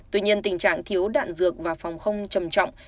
tuy nhiên tình trạng thiếu đạn dược và phòng không trầm trọng